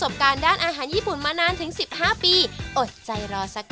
โปรดติดตามตอนต่อไป